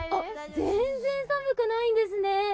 全然寒くないです。